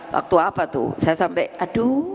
waktu apa tuh saya sampai aduh